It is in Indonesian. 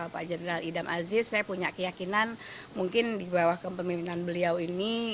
pak jenderal idam aziz saya punya keyakinan mungkin di bawah kepemimpinan beliau ini